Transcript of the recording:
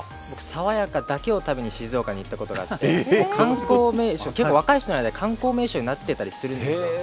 僕、さわやかだけを食べに静岡に行ったことがあって結構若い人の間で観光名所になってたりするんです。